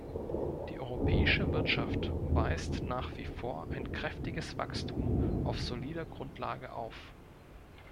Die europäische Wirtschaft weist nach wie vor ein kräftiges Wachstum auf solider Grundlage auf.